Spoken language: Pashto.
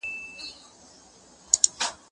چپنه پاکه کړه؟